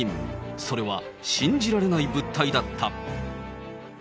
それは信じられない物体だった。